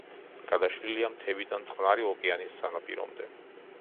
გადაშლილია მთებიდან წყნარი ოკეანის სანაპირომდე.